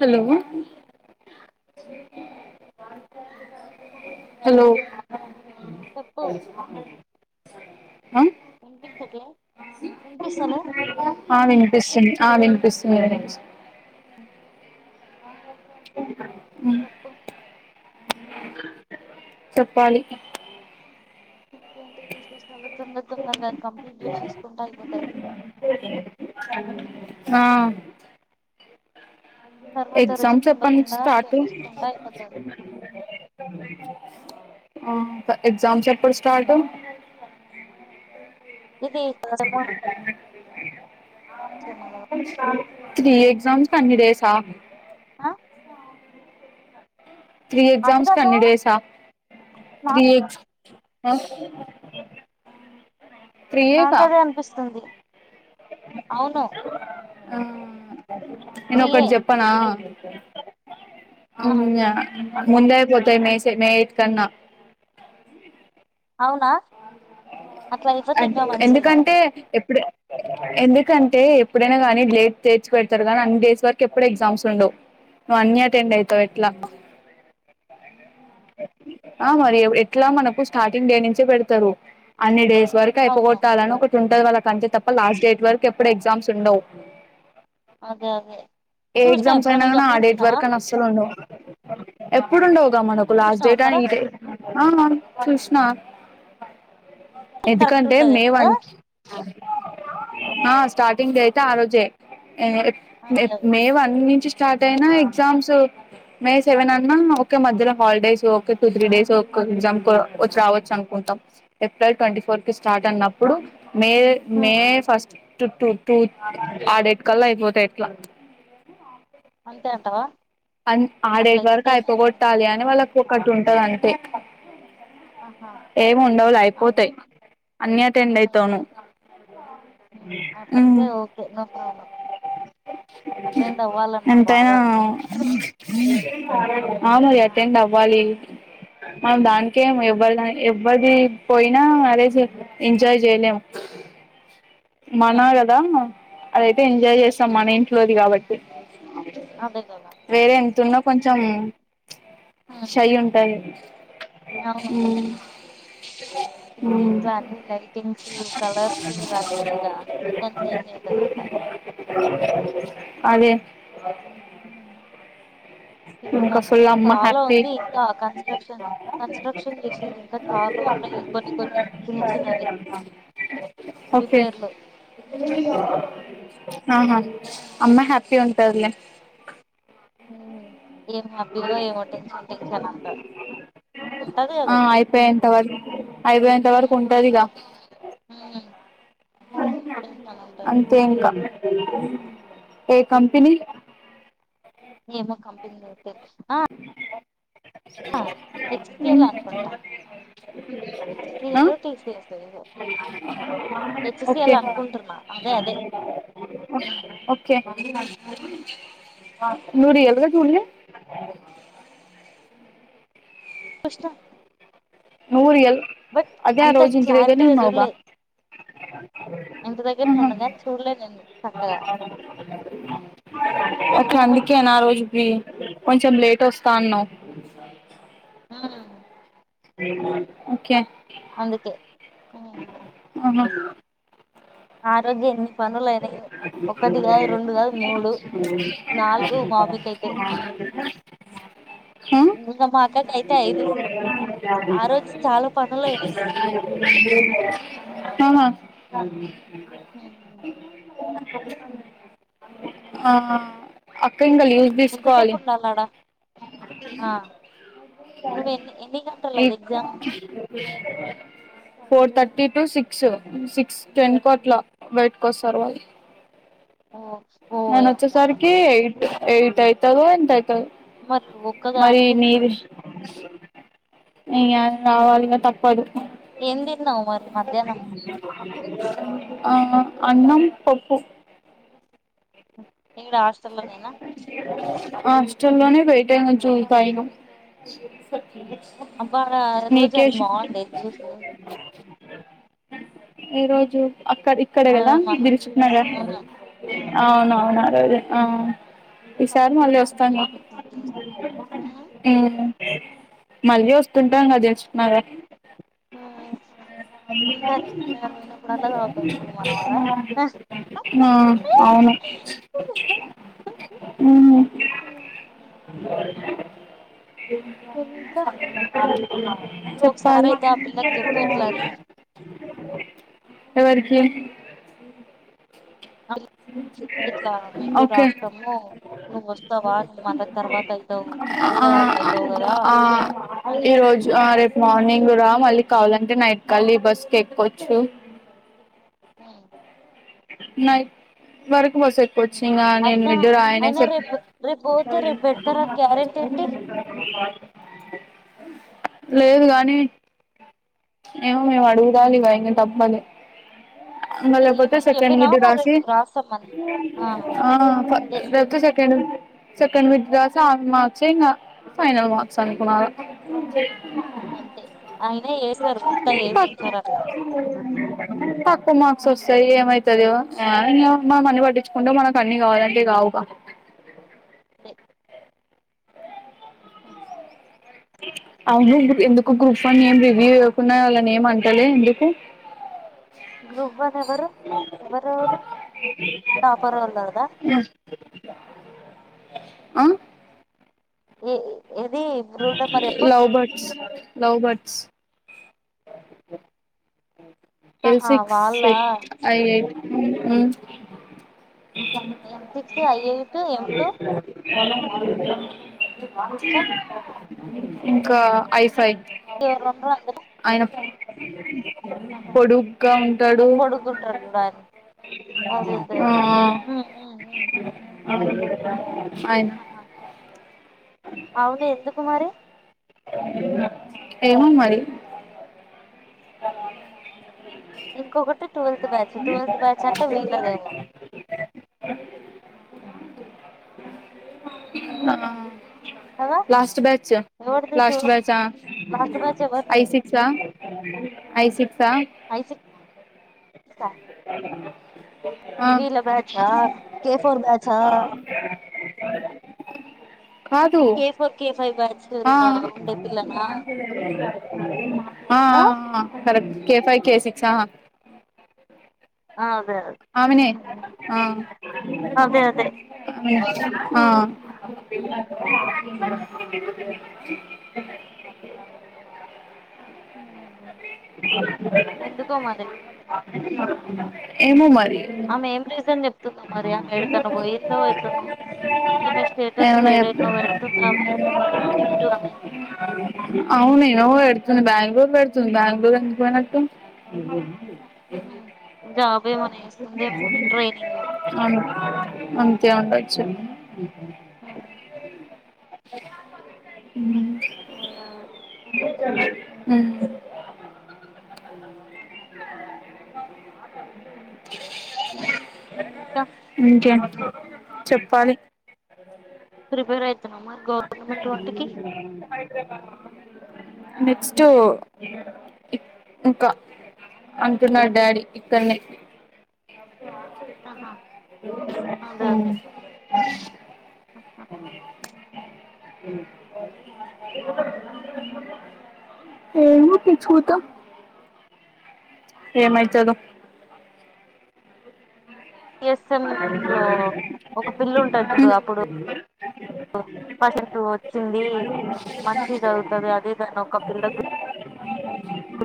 Hello చెప్ప hello చెప్ప వినిపిస్తలే ఆ వినిపిస్తుంది ఆ వినిపిస్తు సర చెప్పు అ చప్పాలి ఇక అంటే విశేష అ తొందర తొందర కది కంప్లీట్ చేససుకుంటూ అయిపోతుంది ఆ తర్వాత రెస్ట్ ఎగ్జామ్స్ చెప్పండి ఉండకుండా స్టార్ట్ చేసేసుకుంటా అయిపోతది ఎగ్జామ్స్ ఎప్పుడు స్టార్ట్ ఇది కొజమా స త్రీ ఎగ్జామ్స్ కన్నిడేసఫ ఆ త్రీ అది ఎక్జామ్స్ కాక కన్నడేసా నా త్రీ ఎ ఆ త్రీ ఏ కా నాకదే అనిపిస్తుంది అవును ఆ నేను త్రీయే ఒకక్కటి చెప్పనా స ఆ అవు ముందా పోతేయి మస మయట్ కన్నా అవునా అట్లా అయిపోతే అది ఇంకా మంచిది ఎందుకంటే నాకు ఎప్పుడె ఎందుకంటే ఎప్పుడైనా గానీ లేట్ తెచి పెడతరు కానీ అన్ని డేస్ వరకు ఎప్పుడ ఎగ్జామ్స్ ఉండవ్ నువ్ అన్ని అటెండ్ అవుతావు ఎట్లా ఆ మరి ఎట్లా మనకు స్టార్టింగ్ డే నుంచి చ్ పెడతరు అన్ని డేస్ వర్క్ అయిపో అవును గొట్టాలని ఒకటి ఉంటాది వాళ్ళకి అంతే తప్ప లాస్ట్ డేట్ వరకు ఎప్పుడు ఎగ్జామ్స్ ఉండవు అదే అదే ఏ చూసినావ ఎగ్జామ్స్ అయినా ఎప్పుడైనా కాని ఆ డేట్ గమనించినావా వరకు అని అస్సలు ఉండవు ఎప్పుడుండవుగా మనకు లాస్ట్ చూసినావా డేట్ అని నువ్వు ఈడే ఆ చూసిన బ కరెక్ట్ ఎందుకంటే మే ఉంటదేమో వన్ కదా ఆ స్టాటింగ్ డే అయితే ఆ రోజే అదే అదే మే వన్ నుంచి స్టార్ట్ అయినా ఎగ్జామ్స్ మే సెవెన్ అన్నా ఒకే మధ్యలో హాలిడేస్ ఒకే టూ త్రీ డేస్ ఒక ఎగ్జామ్ వచ్చి రావచ్చు అనుకుంటాం ఏప్రిల్ ట్వంటీ ఫోర్ కి స్టార్ట్ అన్నప్పుడు మే మే ఉమ్, ఫస్ట్ టూ టూ ఆడేట్కల్లా ఐపోతే ఎట్లా అంతే అంటావా అ అట్లా ఆడేట్ వరకు అయిపోతే మంచిది. అయిపోగొట్టాలి అని వాళ్ళ ఒకటి ఉంటది అంతే ఆహా ఏమి ఉండవులే అయిపోత్ అవును అన్ని అటెండ్ మళ్ళీ అయితాను అవున్ నా బాధ ఎంతైనా అంతా [unintelligible] ఆ మరి అటెండ్ అవ్వాలి మనం ఉమ్, దానికేం ఏవ్వరు ఎవది పోయినా అదే ఎంజాయ్ జేయలేం మనా ఉమ్, గదా అదే ఎంజాయ్ ఆ, జేస్తాం మన ఇంట్లోది గాబట్టి అదే కదా [inaudible] వేరే ఎంతున్నా కొంచెం ఉమ్, ఉమ్, షై ఉంటాయి అవును ఊ ఇప్పుడు ఇంట్లో అన్ని లైటింగ్స్ కలర్స్ అద్ [inaudible] అదే అ ఇప్పుడు మ ఇంకా ఫుల్ అమ్మ చాలా హ్యాపీ ఉంది. ఇంకా కన్స్ట్రక్షన్ కన్స్ట్రక్షన్ చేసేది ఇంకా చాలా ఉన్నాయి. కొన్ని కొన్ని చిన్న చిన్నవి ఓకే రిపేర్లు హ్మ్మ్ ఆహా అమ్మా హ్యాపీ ఉంటదిలే. ఏం హ్యాపీగా ఏమో టెన్షన్ టెన్షన్ అంతా ఉంటది కదా ఆ ఇక అయిపోయంత వరకు అయిపోయంత వరకు ఉమ్ ఉంటదిక ఉమ్ టెన్షన్ ఉంటది అంతే ఇంకా. కంపెనీ ఏమో కంపెనీ లేదు. ఆ హెచ్సిఎల్ అనుకుంటా హు ఆ హెచ్సిఎల్ టీసిఎస్ ఏదో ఓకే హెచ్సిఎల్ అనుకుంటున్నా అదే అదే ఉమ్ ఓకే నువ్వు ఉమ్ రియల్ గా చూడలే. చూసిన నువు రియల్ బట్ అదే ఆ అంత రోజు ఇంటి దగరనే క్లారిటీగా ఉన్నావుగా చూడలే ఇంటి దగ్గర ఆహా ఉన్నా కాని చూడలే నేను చక్కగా ఒకే అందుకే నా ఆ రోజు ఉంది. కొంచెం లేట్ వస్తా అన్నావ్. హు ఓకే అందుకే ఆహా ఆరోజెన్ని కాదు మూడు నాలుగు మా మమ్మీకి అయితే ఉం ఇంకోటి అయితే ఐదు ఆ రోజు చాలా పనులు అయినాయి. ఆహా హు [inaudible] ఆ ఇంకా లీవ్స్ ఎంతసేపు తీసుకోవాలి. ఉండాలాడా ఆ నువ్వు ఎన్ని ఎన్ని ఈ గంటలది exam four thirty to six six ten కి అట్లా బయటకు వస్తారు వాళ్ళు. ఓ నేను ఓయమ్మా వచ్చేసారికి ఇట్ ఏయిటు అయితదొ ఎంత మరి మరి ఒక్కదానివి నీ ఇగ రావాలిగా తప్పదు. ఏమ్ దినవు మరి మధ్యాహ్నము. ఆ అన్నం పప్పు. ఎక్కడ హాస్టల్లోనేనా. హాస్టల్లోనే పెయట చూసయను బడ రోజు అది షిఫ్ట్ బాగుండేది జ్యూసు ఏ రోజు అక్క ఇక్కడ అ కదా మన బిరుచిప్నగర్ అవును ఆ అవునవునా అదే ఆ ఈసారి మళ్ళీ మంచిగా వస్తాను అనిపించింది జ్యూస్ ఉమ్, మళ్ళీ వస్తుంటాం కదాది తెసున్నార ఉమ్. ఈసారి డిస్నర్ పోయినప్పుడల్లా తాగుతాం చూడు మనం ఆడ ఆ అవును ఇంకా నువ్వు ఒకసారి చెప్పాలి అయితే ఆ పిల్లకి చెప్పు ఇట్లా అని అ ఎవరికి ఇట్లా మిడ్ ఓకే రాస్తాము నువ్వు వస్తావా నువ్వు మళ్ళ తర్వాత అయితావు ఒకదానివి అయితావు కదా అని ఈ చెప్పు రజు రేపు మార్నింగ్ ఇరా మళ్ళీ కావాలంటే నైట్ కళ్లి బస్ క ఎక్వచ్చు చ్చు ఆ న బరకు వస కొచ్చింగ్ నేను అయినా మడ్డ రాయనే అయినా స రేపు రేపు పోతే రేపు పెడతారని గ్యారెంటీ ఏంటి లేదు కాగానీ ఏ మేం అడుగుదాాలి ఇవ ఇం తప్పదు అ ఈ- మపోతే ఈమెకి సెకెం గడ్ చెప్పినావా మరి రాశి రేపు రాస్తామని ఆ అంతే సెక సెకండ్ వీక్ రాసి ఆ మార్క్సే ఇంకా ఫైనల్ మార్క్స్ అనుకున్నారు అంతే ఆ పక్క మార్క్స్ సరి ఏమవుతదో ఇ మనం అన్ని పట్టించుకుంటే మనకు అన్నీ కావాలంటే కావుగా ఆ అ ఎందుకు గ్రూప్ వన్ నేమ్ రివ్యూ ఇవ్వకున్నా వాళ్ళ నేమ్ అంటలే ఎందుకు గ్రూప్ వన్ ఎవరు ఎవరురు టాపరోల్లదా ఆ ఉ love birds love birds L ఆహా సిక్స్ వాళ్ళ at I eight uh L six I eight M two అవు ఇంకా ఇంకా ఐఫై రెండు ఆయన పొడుగ్గా ఉంటాడు పొడుగుంటాడు చూడు ఆయన అదే అదే ఉమ్ ఉమ్ ఉమ్ ఆ ఆయన ఆహా అవును ఎందుకుమరి ఏమో మరి అ ఇంకొకటి ట్వెల్త్ బ్యాచ్ ట్వెల్త్ బ్యాచ్ అంటే వీళ్లదేమో ఆ కదా లాస్ట్ బ్యాచ్ ఎవరిది లాస్ట్ ట్వెల్త్ బ్యాచ్ ఆ లాస్ట్ బ్యాచ్ ఐ ఎవరిది సిక్సా ఐసిక్సా ఐ సిక్స్ ఆ అ వీళ్ళ బ్యాచా కే ఫోర్ బ్యాచా కాదు K four K five batch ఆ లా ఉండే పిల్లనా ఆ ఆఆ ర కే ఫైవ్ కే సిక్స్హా ఆ, అదే అదే ఆమెని ఉమ్ అదే అదే ఉమ్. హ ఏమో మరి ఆమె ఏం రీజన్ చెప్తుందా మరి ఆమె ఏడికన్నా పోయిందో ఎట్నో ఈమె స్టేటస్ ఏమన్నా లేడై చెప్పు ను పెడుతుందా ఆమె ఏమింటో అని బంగూరుర్ పెడుతుంది బంగూరు వనకు ఉహు జాబ్ ఏమన్నా చేస్తుందేమో రే ట్రైనింగ్ అ అంతే అంట చె ఉ అ అవునా ఉ కా ఇంకే చెప్పాలి ప్రిపేర్ అవుతున్నామ్మా గవర్నమెంట్ వాటికి నెక్స్ట్ ఇంకా అంటున్నారు డాడీ ఇక్కన్నే ఆహా అదే హ్ అదే [inaudible] ఏమో తె చూద్దాం ఏమయితదో [inaudible] ఎస్ఎం లో ఒక పిల్ల ఉంటది చూడు అప్పుడు [inaudible] వచ్చింది మంచిగా చదువుతది అది ఇదని ఒక పిల్ల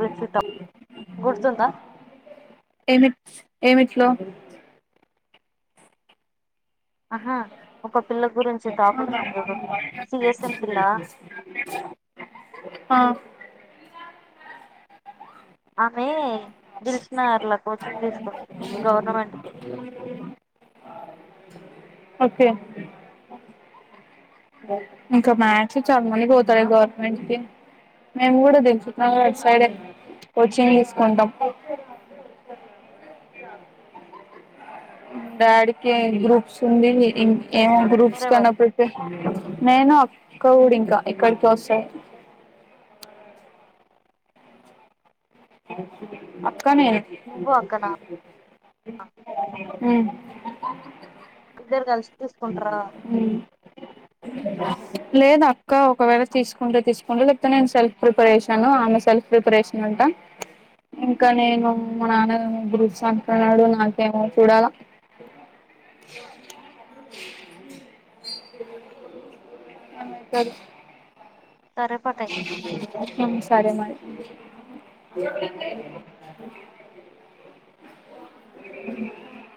గురించి [inaudible] గుర్తుందా ట్లో ఆహా ఒక పిల్ల గురించి టాక్ వచ్చింది చూడు సిఎస్ఎం పిల్ల ఆ ఆమె దిలుసుఖ్ నగర్లా కోచింగ్ తీసుకుంటుంది గవర్నమెంట్ కి. ఓకే ఇంకా మ్యా క్స్ చాలా మంది పోతారే గవర్నమెంట్ కి మేము కూడా దిలుసుఖ్ నగర్ సైడే కోచింగ్ తీసుకుంటాం. డాడీకి గ్రూప్స్ ఉంది ఇం ఎమో గ్రూప్స్ ఎవరెవరు కన్నా ప్రిపేర్ నేను కోవుడు ఇంకా ఇక్కడికే వస్తది. ఇక్కన్నే నువ్వు అక్కనా హ్ ఇద్దరు కలిసి తీసుకుంటారా హ్ లేదా ఇంకా ఒకవేళ తీసుకుంటే తీసు ముందు చెపితే నేను సెల్ఫ్ ప్రిపరేషన్ ఆమె సెల్ఫ్ ప్రిపరేషన్ అంటా ఇంకా నేను మా నాన్న గురుస్వామి అన్నాడు నాకేమో చూడాలా. ఏమైతది. సరే పటయితే హ్ సరే మరి. ఆ అ